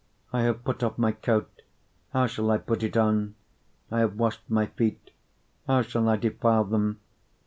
5:3 I have put off my coat; how shall I put it on? I have washed my feet; how shall I defile them?